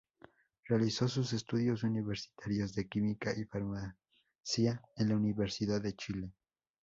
Realizó sus estudios universitarios de química y farmacia en la Universidad de Chile.